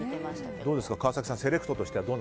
どうですか、川崎さんセレクトとしては。